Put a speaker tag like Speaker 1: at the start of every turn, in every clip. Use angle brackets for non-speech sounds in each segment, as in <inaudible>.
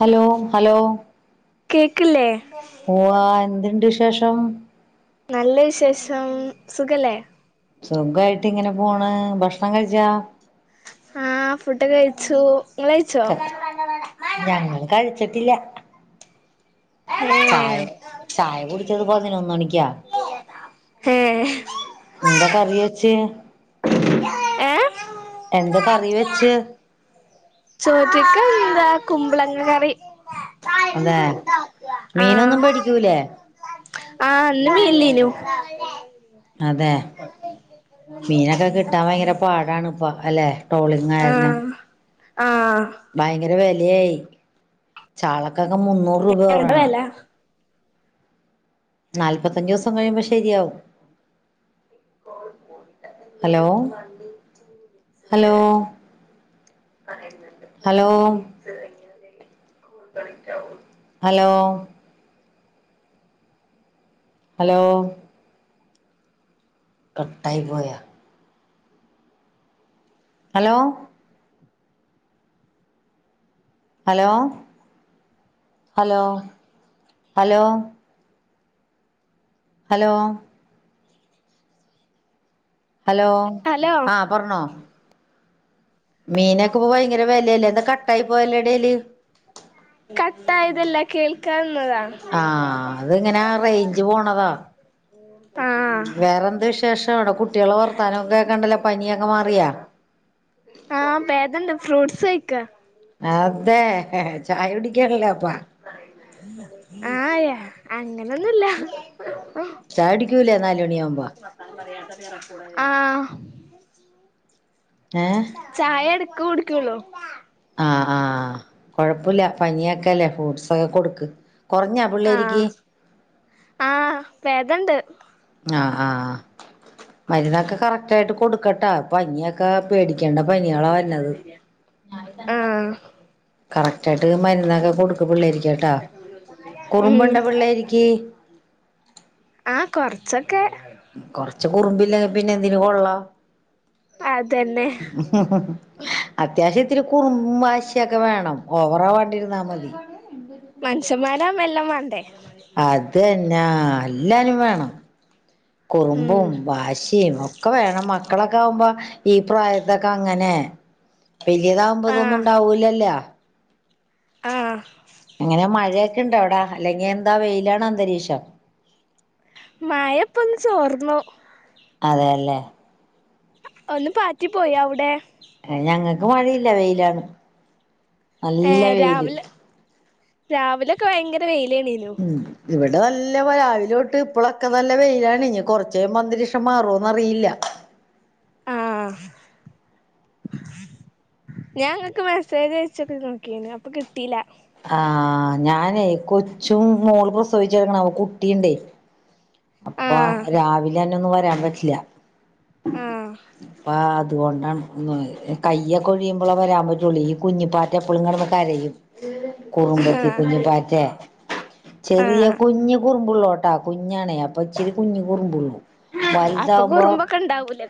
Speaker 1: Hello hello
Speaker 2: കേൾക്കുന്നില്ലേ
Speaker 1: പോവാം എന്തുണ്ട് വിശേഷം വിശേഷം
Speaker 2: നല്ല വിശേഷം സുഖമല്ലേ
Speaker 1: സുഖമായിട്ട് ഇങ്ങനെ പോകുന്നു ഭക്ഷണം കഴിച്ചോ
Speaker 2: ആഹ് ഫുഡ് ഒക്കെ കഴിച്ചു നിങ്ങള് കഴിച്ചോ
Speaker 1: ഞങ്ങൾ കഴിച്ച ഇല്ല്യ ചായ
Speaker 2: ഏഹ്
Speaker 1: ചായ കുടിച്ചത് മണിക്കാ
Speaker 2: ഏഹ്
Speaker 1: <inaudible> എന്തൊ കറി വെച്ച്
Speaker 2: ഏഹ്
Speaker 1: എന്താ കറി വെച്ച്
Speaker 2: ചോറ്റിക്ക് എന്താ കുമ്പളങ്ങ കറി
Speaker 1: അതെ
Speaker 2: ആഹ്
Speaker 1: മീനൊന്നും മേ ടിക്കൂലേ
Speaker 2: ആഹ് ഇന്ന് മീൻ ഇല്ലെനു
Speaker 1: അതെ മീനൊക്കെ കിട്ടാൻ ഭയങ്കര പാടാണ് ഇപ്പൊ അല്ലെ ടോളിങ്ങാരന
Speaker 2: ആഹ് ആഹ്
Speaker 1: ഭയങ്കര വ ചാള കക്കെ മുന്നൂറ്
Speaker 2: എന്താ
Speaker 1: രൂപോറണോ
Speaker 2: വെല
Speaker 1: നാല്പത്തഞ്ചു ദിവസം കഴിയുമ്പോ ശരിയാവും hello hello hello hello hello കട്ടായി പോയ hello hello hello hello hello hello
Speaker 2: hello
Speaker 1: ആഹ പറണോ മീനൊക്കെ ഇപ്പ ഭയങ്കര വിലല്ലേ എന്താ ക കൈ പോയല്ലടേല്
Speaker 2: കട്ടായതല്ല കേൾക്കാൻ
Speaker 1: ആഹ അത്ങ്ങനെ റേഞ്ച് പോണതാ
Speaker 2: ആഹ്
Speaker 1: വേറെ എന്ത് വിശേഷം ഇവിടെ കുട്ടികളെ വർത്താനക്ക കണ്ടല
Speaker 2: ആഹ പേദണ്ട് ഫ്രൂട്സ്ക്ക
Speaker 1: അതെ ചായ പിടിക്കാനല്ലേ അപ്പാ
Speaker 2: ആയാ അങ്ങനൊന്നുമല്ല
Speaker 1: ജൂല നാല് മണിയാവുമ്പോ
Speaker 2: ക്ക പറയാ ആഹ
Speaker 1: ഏഹ്
Speaker 2: ചായട കുടിക്കള്ളോ
Speaker 1: ആ് ആ കൊഴപ്പില്ല പനിയൊക്കെല്ലേ ഫ്രൂട്ട്സൊക്കെ കൊടുക്ക് കുറഞ്ഞാ പിള്ളോയിക്ക്
Speaker 2: വേദണ്ട്
Speaker 1: ആ ആ മരുന്നൊക്കെ കറക്റ്റയിട്ട് കൊടുക്കട്ടോ പനിയൊക്കെ പേടിക്കേണ്ട പനികളാ വന്ന ത് <unintelligible>
Speaker 2: ആഹ്
Speaker 1: കറ റ്റട്ട് മന്നക്കെ കൊടു പിള്ളായിരികേട്ടാ കുറുമ്പണ്ട
Speaker 2: ഉം
Speaker 1: പിള്ളാരിക്ക്
Speaker 2: ച്ച്
Speaker 1: കൊറച് കുറുമ്പില്ലെ പിന്നെ എന്തിന് കൊള്ളാം
Speaker 2: അതന്നെ
Speaker 1: അത്യാശ ഒത്തിരി കുറുമ്പാശിയൊക്കെ വേണം ഓവറാ വണ്ടിരുന്ന മതി
Speaker 2: മനുഷ്യന്മാരാമ്പ എല്ലാ മാ
Speaker 1: അതെന്നാ അല്ലാരും വേണം
Speaker 2: ഉം
Speaker 1: കുറുമ്പും വാശിം ഒക്കെ വേണം മക്കളൊക്കാവുമ്പോ ഈ പ്രായത്തൊക്കങ്ങനെ വെല്ല്യതാമ്പോതൊന്നും ഉണ്ടാവൂലല്ലൊ
Speaker 2: ആ
Speaker 1: എങ്ങനെ മഴയൊക്കെ ഇണ്ടോ അവിടാ അല്ലെങ്കി എന്താ വെയിലാണോ അന്തരീക്ഷം
Speaker 2: മയപ്പൊന്ന് ചോർന്നു
Speaker 1: അതെയല്ലേ
Speaker 2: ഒന്ന് പാറ്റി പോയി അവ്ടെ
Speaker 1: ഞങ്ങക്ക് മഴയില്ല വെയിലാണ് നല്ല
Speaker 2: ഏഹ്
Speaker 1: വെയില്
Speaker 2: രാവിലെ രാവിലൊക്കെ ഭയങ്കര വെയി ലേനു
Speaker 1: ഉം ഇവിടെ നല്ല രാവിലോട്ട് ഇപ്പളൊക്കെ നല്ല വെയിലാണ് ഇഞ്ഞ് കൊറച്ചയുമ്പം അന്തരീക്ഷം മാറോന്നറിയില്ല
Speaker 2: ആ ഞാൻ ങ്ങക്ക് മെസ്സേജ് അയച്ചൊക്കെ നോക്കീനു അപ്പൊ കിട്ടീല
Speaker 1: ആ ഞാനേ കൊച്ചും മോള് പ്രസവിച്ച് കെടക്ണ അപ്പം കുട്ടീണ്ടേ അപ്പ
Speaker 2: ആഹ്
Speaker 1: രാവിലെ ഒന്നും വരാൻ പറ്റില്ല
Speaker 2: ആഹ്
Speaker 1: അപ്പ അത് അതുകൊണ്ടാണ് കയ്യൊക്കെ ഒഴിയുമ്പോളെ വരാൻ പറ്റൊള്ളേ ഈ കുഞ്ഞിപ്പാറ്റ എപ്പളും കടന്ന് കരയും കുറുമ്പത്തി
Speaker 2: ആഹ്
Speaker 1: കുഞ്ഞിപ്പാറ്റെ ചെറിയ
Speaker 2: ആഹ്
Speaker 1: കുഞ്ഞ് കുറുമ്പുള്ളോട്ടാ കുഞ്ഞണെ അപ് അപ്പച്ചിരി കുഞ്ഞി കുറുമ്പുള്ളു
Speaker 2: അപ്പൊ കുറുമ്പൊക്കെ ഇണ്ടാവൂലെ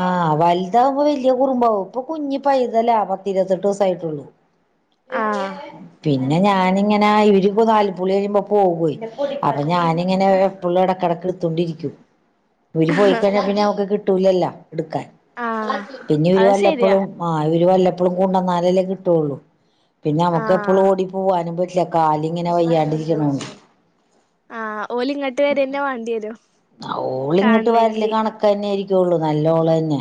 Speaker 1: ആ വലുതാവു ൽ കുറുമ്പാവും ഇപ്പ കുഞ്ഞി പൈതലാ പത്തിരുപത്തെട്ട് ദിവസായിട്ടൊള്ളു
Speaker 2: ആഹ്
Speaker 1: പിന്ന് പിന്നെ ഞാനിങ്ങെനാ ഇവര് പം നാൽപ്പുളി കഴിയുമ്പോ പോകുഏയ് ഞാനിങ്ങനെ പുള്ള എടകെടക്ക് തൊണ്ടിയിരിക്കും ഓര് പോയിക്കഴിഞ്ഞാ പിന്നെ അമക്ക് കിട്ടൂലല്ലോ എടുക്കാൻ
Speaker 2: ആഹ്
Speaker 1: പിന്നെ ഓരു
Speaker 2: അത് ശരിയാ
Speaker 1: വല്ലപ്പോഴും മാ അവര് വല്ലപ്പളും കൊണ്ടോന്നാലല്ലേ കിട്ടോള്ളു പിന്നെ നമുക്ക് എപ്പോളും
Speaker 2: ആഹ്
Speaker 1: ഓടി പോവാനും പറ്റ് കാലിങ്ങനെ വയ്യാണ്ടിരിക്കണ്
Speaker 2: ആ ഓല് ഇങ്ങോട്ട് വരെന്നെ വേണ്ടി വരും കാണണെങ്കി
Speaker 1: കേൂ <inaudible> നല്ലോള് തന്നെ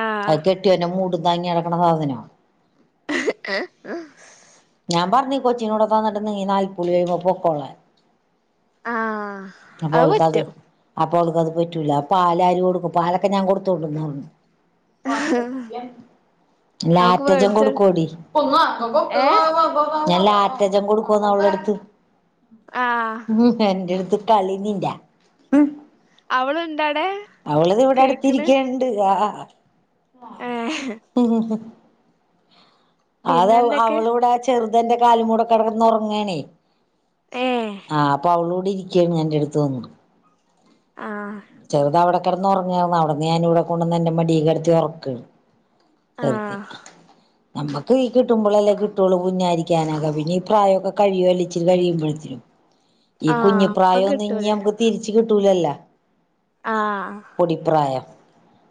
Speaker 2: ആഹ്
Speaker 1: അത് കെട്ടിയോൻ്റെ മൂട് താങ്ങി നടക്കണ സാധനാ
Speaker 2: ഏ ആ
Speaker 1: കുളി കഴിയുമ്പോ പൊക്കോളാൻ
Speaker 2: ആ ആ അത് പറ്റും
Speaker 1: അപ്പോൾക്കത് പറ്റൂല പാലാര് കൊടുക്കും പാലൊക്കെ ഞാൻ കൊടുത്തോണ്ട്ന്ന് പറഞ്ഞു
Speaker 2: നമുക്ക്
Speaker 1: ലാക്റ്റ്ജൻ
Speaker 2: വേടിച്ചൊട്
Speaker 1: കൊടുക്കോടി
Speaker 2: ഏഹ്
Speaker 1: ഞാൻ ലാക്റ്റജം കൂടുക്കൂന്ന് അവള അടുത്ത്
Speaker 2: ആഹ്
Speaker 1: ഉ എൻ്റെത് കള നിിന്റെ ഉ <inaudible>
Speaker 2: അവളുണ്ട-
Speaker 1: അവള് ഇവിടെ അടുത്തിരിക്കണ്ട് ആ ആ
Speaker 2: ഏഹ്
Speaker 1: <inaudible> ഉം ഹ ഹ അത്
Speaker 2: പിന്നെന്തൊക്കെ
Speaker 1: അവളുടെ ആ ചെറുത് ഇതെന്റെ കാലമൂടെ കിടന്ന് ഉറങ്ങാണേ
Speaker 2: ഏഹ്
Speaker 1: ആഹ് അപ്പൊ അവളൂടി ഇരി- <inaudible> എന്റെ അടുത്ത് വന്നു
Speaker 2: ആ
Speaker 1: ചെറുത്അവിടെ കിടന്ന് ഉറങ്ങാർന്നു അവിടെന്ന് ഞാൻ ഇവിടെ കൊണ്ടുവന്ന് എന്റെ മടീ കടത്തി ഉറക്കാണ് ശരി
Speaker 2: ആഹ്
Speaker 1: നമ്മുക്ക് ഈ കിട്ടുമ്പോളല്ലേ കിട്ടുള്ളൂ കുഞ്ഞായിരിക്കാനായി പിന്നെ ഈ പ്രായമൊക്കെ കഴിയുവല്ലേ അല്ലച്ചിരി കഴിയുമ്പോഴ് കഴിയുമ്പോഴത്തനും ഈ
Speaker 2: ആഹ് ഇപ്പൊ
Speaker 1: കുഞ്ഞിപ്രായ ഒന്നും ഇനി
Speaker 2: കിട്ടൂലേ
Speaker 1: നമുക്ക് തിരിച്ചു കി- കിട്ടൂലല്ല
Speaker 2: ആഹ്
Speaker 1: കുടിപ്രായ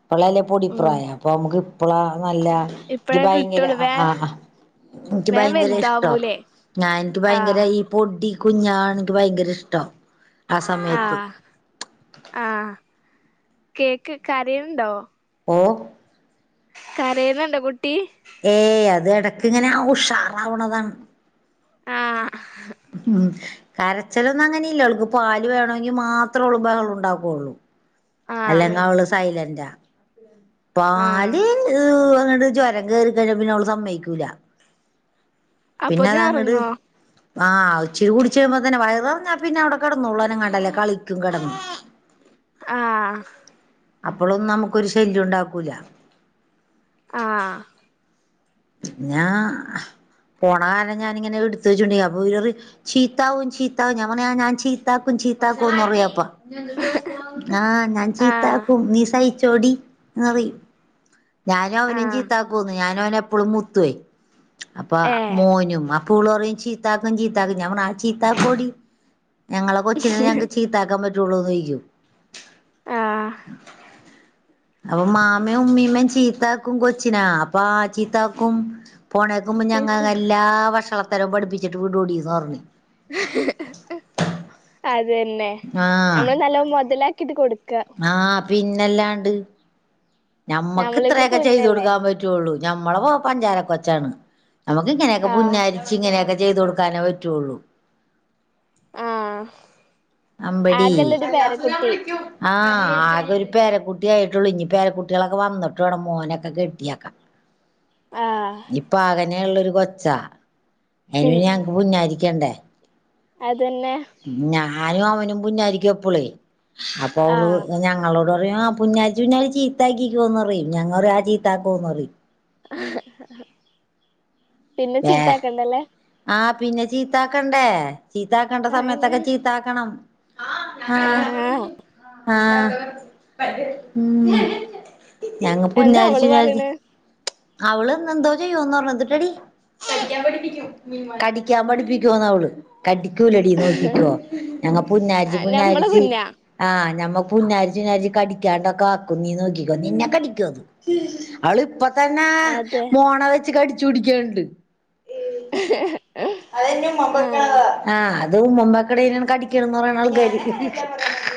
Speaker 1: ഇപ്പള്ളല്ലെ
Speaker 2: ഉം
Speaker 1: പൊടിപ്രായം അപ്പോൾ നമുക്ക് ഇപ്പളോ നല്ല എനിക്ക്
Speaker 2: ഇപ്പഴേ
Speaker 1: ഭയങ്കര
Speaker 2: കിട്ടുള്ളൂ വേ
Speaker 1: ആ ആ എനിക്ക്
Speaker 2: വേം
Speaker 1: ഭയങ്കര ഇഷ്ടാ
Speaker 2: വലുതാവൂലേ
Speaker 1: ഞാൻ എനിക്ക് ഭയങ്കര
Speaker 2: ആഹ്
Speaker 1: ഈ പൊടി കുഞ്ഞാണ് എനിക്ക് ഭയങ്കര ഇഷ്ടം
Speaker 2: ആഹ് ആഹ് കേക്ക് കരയണുണ്ടോ
Speaker 1: ഓ
Speaker 2: കരയണുണ്ടോ കുട്ടി
Speaker 1: ഏ അത് എടക്ക് ഇങ്ങനെ ഉഷാറാവുന്നതാണ്
Speaker 2: ആഹ്
Speaker 1: ഉം കര രച്ചിലൊന്നും അങ്ങനെ ഇല്ല അവൾക്ക് പാല് വേണമെങ്കിൽ മാത്രമേ അവൾ ബഹളം ഉണ്ടാക്കുകയുള്ളൂ
Speaker 2: ആഹ്
Speaker 1: അല്ലെങ്കിൽ അവള് സൈലന്റാ അപ്പ
Speaker 2: ആഹ്
Speaker 1: പാല് ഏ ചവരം കേറി കഴിഞ്ഞ പിന്നെ അവള് സമ്മയിക്കൂല പിന്നെ
Speaker 2: അപ്പൊഞാ
Speaker 1: അതങ്ങട്
Speaker 2: ഉറങ്ങോ
Speaker 1: ആഹ് ഇച്ചിരി കുടിച്ച് കഴുമ്പോ തന്നെ വയറ് നിറഞ്ഞാ പിന്നെ അവിടെ കടന്നുള്ളനും കണ്ടല്ലേ കളി ിക്കും കിടന്നു
Speaker 2: ആഹ്
Speaker 1: അപ്പോഴൊന്നും നമുക്കൊരു ശല്യം ഉണ്ടാക്കൂല
Speaker 2: ആഹ്
Speaker 1: പിന്നാ പോണ കാലം ഞാനിങ്ങനെ എടുത്ത് വെച്ചിണ്ട് അപ്പൊ ഇവർ ചീത്താവും ചീത്താവും ഞാൻ പറയാ ഞാൻ ചീത്താക്കും ചീത്താക്കുംന്ന് പറയും അപ്പ ആഹ് ഞാൻ
Speaker 2: ആഹ്
Speaker 1: ചീത്താക്കും നീ സഹി ചോടി എന്നറയും ഞാനും അവനും
Speaker 2: ആഹ്
Speaker 1: ചീത്താക്കൂന്ന് ഞാനും അവനെ പുപ്പളമുത്ത അപ്പൊ
Speaker 2: ഏഹ്
Speaker 1: മോനും ഓള് പറയും ചീത്താക്കും ചീത്താക്കും ഞാൻ പറയും ഓ ചീത്താക്കോടി ഞങ്ങളെ കൊച്ചിന ഞങ്ങക്ക് ചീത്താക്കാൻ പറ്റും ളിക്കും
Speaker 2: ആഹ്
Speaker 1: അപ്പൊ മാമേം ഉമ്മീമ്മയും ചീത്താക്കും കൊച്ചിനാ അപ്പ ചീത്താക്കും പോണേക്കുമുന്നേ
Speaker 2: ചീത്ത
Speaker 1: ഞങ്ങൾ എല്ലാ വഷള ത്തരം പഠിപ്പിച്ചിട്ട് വിടോടി എന്ന് പറഞ്ഞ്
Speaker 2: തന്നെ
Speaker 1: ആഹ്
Speaker 2: നമ്മള് നല്ല മുതല ഇത് കൊടു
Speaker 1: ആഹ് പിന്നല്ലാണ്ട് ഞമ്മക്ക്
Speaker 2: ഞമ്മള് കൂടി
Speaker 1: ഇത്രയൊക്കെ ചെയ്തു
Speaker 2: കുഞ്ഞല്ലേ
Speaker 1: കൊടുക്കാൻ പറ്റുള്ളൂ ഞമ്മള മോൻ പഞ്ചാരക്കെച്ചാണ് നമുക്ക് ഇങ്ങനെയൊക്കെ
Speaker 2: ആഹ്
Speaker 1: പുന്നാരിച്ചു ഇങ്ങനെയൊക്കെ ചെയ്ത കൊടുക്കാനേ പറ്റുള്ളൂ
Speaker 2: ആഹ
Speaker 1: അമ്പടി ആഹ ആകെ ഒരു പേരക്കുട്ടിയയിട്ടൊള്ളൂ പേരക്കുട്ടികളൊക്കെ വന്നിട്ട് ഇവിടെ മോനൊക്കെ കെട്ടിയക്ക
Speaker 2: ആഹ്
Speaker 1: ഇപ്പ ആകെ അങ്ങനെയുള്ളൊരു കൊച്ച അയിന് ഞങ്ങക്ക് കുഞ്ഞായിരിക്കേണ്ടേ
Speaker 2: അതന്നെ
Speaker 1: ഞാനും അവനും പുഞ്ഞാരിക്കും എപ്പളേ അപ്പോ അവള്
Speaker 2: ആഹ്
Speaker 1: ഞങ്ങളോട് എ പറയും പുന്നാരിച്ചു പുന്നാരിച്ചു ചീത്താക്കിക്കോന്ന് പറയും ഞങ്ങൾ ആ ചീത്താക്കോന്ന് പറയും
Speaker 2: <inaudible> പിന്നെ
Speaker 1: ഏ
Speaker 2: ചീത്ത ആക്കണ്ടല്ലേ
Speaker 1: ആ പിന്നെ ചീത്താക്കണ്ടേ ചീത്താക്കേണ്ട
Speaker 2: അയെന്നെ
Speaker 1: സമയത്തൊക്കെ ചീത്താക്കണം ആഹ
Speaker 2: ആഹ്
Speaker 1: ആഹ ഉം ഞങ്ങ
Speaker 2: എന്താ
Speaker 1: പുന്നരിച്
Speaker 2: അവള്
Speaker 1: പുന്നാരിച്ചു
Speaker 2: പറയണ്
Speaker 1: അവള് എന്തോ ചെയ്യോന്ന് പറഞ്ഞ കടിക്കാൻ പഠിപ്പിക്കുന്നവള് കടി കൂലടീ നോക്കിക്കോ ഞങ്ങപുന്നാരിച്ചു
Speaker 2: ഞമ്മളെ
Speaker 1: പുന്നരിച്ച
Speaker 2: കുഞ്ഞാ
Speaker 1: ആ പുന്നാരിച്ചു പുനരിച്ചു കടിക്കാണ്ടൊക്കെ ആക്കും നീ നോക്കിക്കോ നീന്ന കടിക്കോ അവള് ഇപ്പ തന്നെ
Speaker 2: അതെ
Speaker 1: മോണ വെച്ച് കടി ചുടിക്കണ്ട്
Speaker 2: <inaudible>
Speaker 1: അ
Speaker 2: ആഹ്
Speaker 1: ആ അത് ഉമ്മാമകാടെ കടിക്കണ എന്ന് പറയനത് ആൾക്കാര്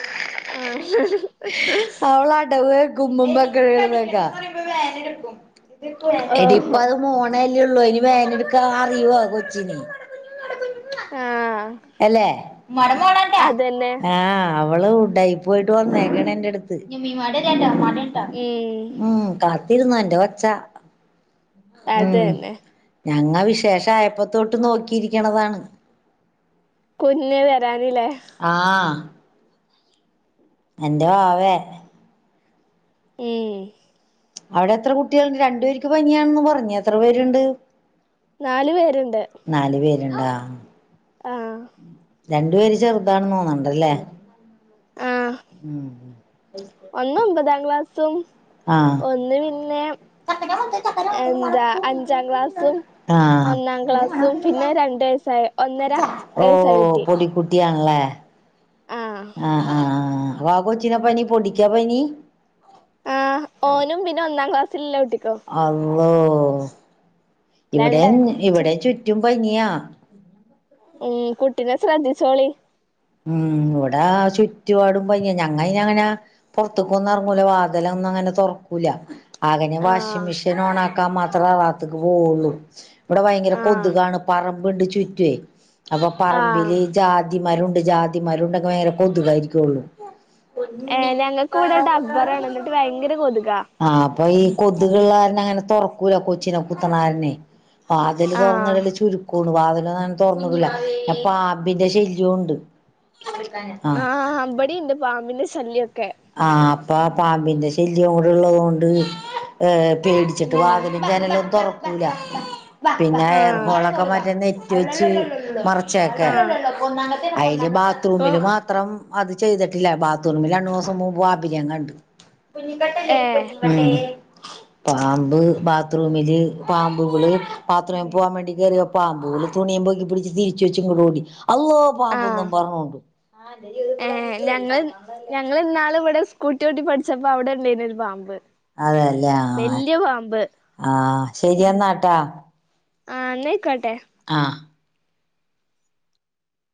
Speaker 2: ആഹ്
Speaker 1: <unintelligible> എടിപ്പ
Speaker 2: ഓഹോ
Speaker 1: അത് മോണ ള്ള ഇനി വേദന എടുക്ക അറിയോ കൊച്ചിനെ
Speaker 2: ആഹ്
Speaker 1: അല്ലെ
Speaker 2: അതന്നെ
Speaker 1: ആഹ് അവള് ഉഡായിപ്പ് ആയിട്ട് വന്നേക്കണ എന്റെ അടുത്ത്
Speaker 2: ഉം
Speaker 1: ഉം കാ തീരുന്നെന്റെ ഒച്ച
Speaker 2: അതെന്നെ.
Speaker 1: ഞങ്ങ വിശേഷയപ്പോ തൊ ട്ട് നോക്കിയിരിക്കണതാണ്.
Speaker 2: കുഞ്ഞെ വരാൻ
Speaker 1: ആഹ് എന്റെ വാവേ
Speaker 2: ഉം
Speaker 1: അവിടെ എത്ര കുട്ടികൾ ഉണ്ട് രണ്ടു പേരിക്ക് പനിയാണെന്ന് പറഞ്ഞ എത്ര പേര് ഉണ്ട്
Speaker 2: നാല് പേര്ണ്ട്
Speaker 1: ഇണ്ടാ
Speaker 2: ആഹ്
Speaker 1: രണ്ട് പേര് ചെറുതാണ്ന്ന് തോന്നണ്ടല്ലേ
Speaker 2: ആഹ്
Speaker 1: ഉം
Speaker 2: ഒന്ന് ഒമ്പതാം ക്ലാസ്സും
Speaker 1: ആഹ്
Speaker 2: ഒന്ന് പിന്നെ എന്താ അഞ്ചാം ക്ലാസ്സും
Speaker 1: ആഹ്
Speaker 2: ഒന്നാം ക്ലാസ്സും പിന്നെ രണ്ട് വയസ്സായ ഒന്നര
Speaker 1: ഓ
Speaker 2: വയസ്സായ കുട്ടി
Speaker 1: പൊടി കുട്ടി. യാണല്ലേ. ആഹ് ആഹ് ആഹ് ആ കൊച്ചിന പനി പൊടിക്കാ പനി
Speaker 2: ആഹ് ഓനും പിന്നെ ഒന്നാം ക്ലാസ് ല്ല ഊട്ടിക്കോ
Speaker 1: ള്ളോ ഇവിടെ
Speaker 2: രണ്ടാക്കും
Speaker 1: ഇവിടെ ചുറ്റും പനിയാ
Speaker 2: ഉം കുട്ടിനെ ശ്രദ്ധിച്ചോളി.
Speaker 1: ഉം ഇവടെ ചുറ്റുപാടും പ ഞങ്ങ ഇന അങ്ങന പൊറത്തക്കൊന്നും എറങ്ങൂല. വാതല ഒന്നും അങ്ങന തൊറക്കൂല. ആക ഞ വാഷിംഗ്
Speaker 2: ആഹ്
Speaker 1: മെഷീൻ ഓണ ക്കാ മാത്ര അ ഭാഗത്തക്ക്‌ പോവള്ളു. ഇവടെ ഭയങ്കര
Speaker 2: ആഹ്
Speaker 1: കൊതുകാണ് പറം ബണ്ട ചുറ്റ്വെ അപ്പൊ
Speaker 2: ആഹ്
Speaker 1: പറമ്പില് ജാതി മരും. ജാതിമരുണ്ടങ്കെ വയങ്കര കൊതുകായിരിക്കെള്ളൂ.
Speaker 2: ഏഹ് ഞങ്ങക്ക് ഇവിടെ ഡബ്ബറാണ് എന്നിട്ട് ഭയങ്കര കൊതുകാ
Speaker 1: ആഹ് അപ്പൊ ഈ കൊതുകള്ളാരന അങ്ങനെ തുറക്കൂല കൊച്ചിനെ കുത്തണാരനെ ആ അതില്
Speaker 2: ആഹ്
Speaker 1: തുറന്നിടല് ചുരുക്കും കൂണുപാതല തോറന്നില്ല പാമ്പിന്റെ ശല്യവും ഉണ്ട്
Speaker 2: ആഹ് അമ്പടി ഉണ്ട് പാമ്പിന ശല്യത്ത്
Speaker 1: ആഹ് അപ്പ ആ പാമ്പിന്റെ ശല്യം കൂടെ ഉള്ളതൊണ്ട് പേടിച്ചിട്ട്
Speaker 2: ഉം
Speaker 1: വാതിലും ഞാനല്ലും തുറക്കൂല പിന്നെ എയർ
Speaker 2: ആഹ്
Speaker 1: ഹോളൊക്കെ പറ്റുന്ന തേച്ചി മറ ച്ചക്കെ
Speaker 2: ആഹ്
Speaker 1: ആയി
Speaker 2: ഇപ്പൊ
Speaker 1: ബാത്റൂമില് മാത്രം അത് ചെയ്തിടില്ല ബാത്‌റൂമില് ആണ് ഹോസ് ൂ ബാബര് കണ്ട്
Speaker 2: ഏഹ്
Speaker 1: <unintelligible> പാമ്പ് ബാത്റൂമില് പാമ്പുകള്ബാത്ത് തറൂമിൽ പോൻ വേണ്ടി കയറിയ പാമ്പുകള് തുണിയ പൊക്കി പിടിച്ച് തിരിച്ച് വെച്ച് ഇങ്ങോട്ട ഓടി അള്ളോ
Speaker 2: ആഹ്
Speaker 1: പാമ്പന്നും പറഞ്ഞോണ്ട്
Speaker 2: ഏഹ് ഞങ്ങൾ ഞങ്ങളിന്നാള് ഇവിടെ സ്കൂട്ടി ഓട്ടി പഠിച്ചപ്പപ്പോ അവിടെ ഉള്ളേനരു പാമ്പ്
Speaker 1: അതല്ലേ ആ
Speaker 2: വല്യ പാമ്പ്
Speaker 1: ആഹ ശരിയെന്നാട്ടാ
Speaker 2: ആന്ന് ക്കട്ടെ